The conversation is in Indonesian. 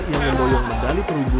yang memboyong medali kerunggu